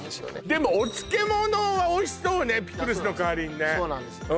でもお漬物はおいしそうねピクルスの代わりにねそうなんです